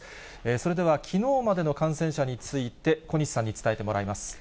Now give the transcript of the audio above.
それではきのうまでの感染者について、小西さんに伝えてもらいます。